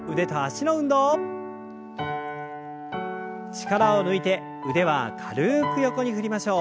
力を抜いて腕は軽く横に振りましょう。